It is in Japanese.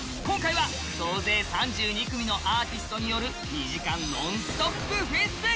今回は総勢３２組のアーティストによる２時間ノンストップフェス！